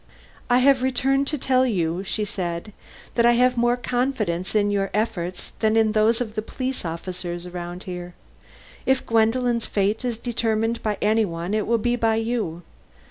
"I have returned to tell you," said she, "that I have more confidence in your efforts than in those of the police officers around here. If Gwendolen's fate is determined by any one it will be by you.